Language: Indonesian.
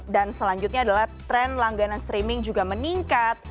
dan selanjutnya adalah tren langganan streaming juga meningkat